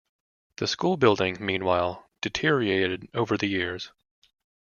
The school building, meanwhile, deteriorated over the years.